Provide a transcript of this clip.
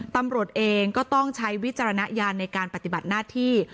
ตำรวจเองก็ต้องใช้วิจารณญาณในการปฏิบัติหน้าที่